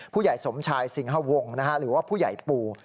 ผู้ใหญ่สมชายสิงหวงหรือว่าผู้ใหญ่ปู